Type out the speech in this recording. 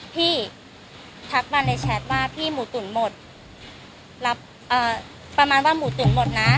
ทักมาในแชทว่าพี่หมูตุ๋นหมดรับประมาณว่าหมูตุ๋นหมดนะ